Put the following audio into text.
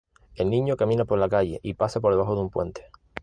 El niño camina por la calle y pasa por debajo de un puente.